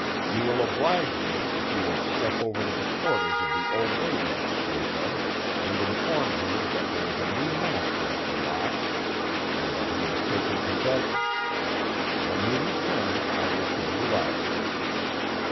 You will oblige me if you will step over to the quarters of the old lady you spoke of, and inform her that there is a new master at The Locks, and that he has taken possession. When you return I will show you out."